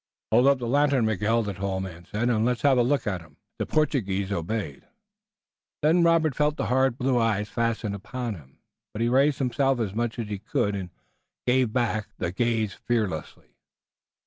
"Hold up the lantern, Miguel," the tall man said, "and let's have a look at him." The Portuguese obeyed. Then Robert felt the hard blue eyes fastened upon him, but he raised himself as much as he could and gave back the gaze fearlessly.